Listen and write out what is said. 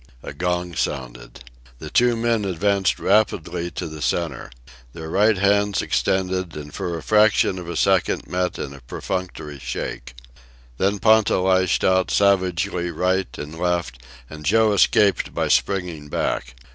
A gong sounded. The two men advanced rapidly to the centre. Their right hands extended and for a fraction of an instant met in a perfunctory shake. Then Ponta lashed out, savagely, right and left, and Joe escaped by springing back.